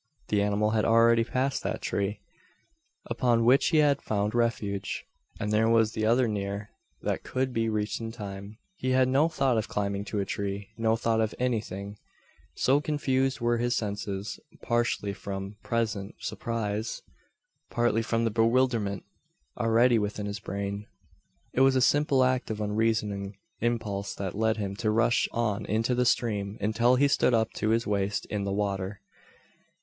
The animal had already passed that tree, upon which he had found refuge, and there was t'other near that could be reached in time. He had no thought of climbing to a tree no thought of any thing, so confused were his senses partly from present surprise, partly from the bewilderment already within his brain. It was a simple act of unreasoning impulse that led him to rush on into the stream, until he stood up to his waist in the water.